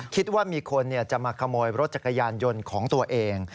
คิดว่ามีคนจะมาขโมยรถจักรยานยนต์ของตัวเอง